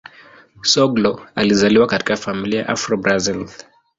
Soglo alizaliwa katika familia ya Afro-Brazil.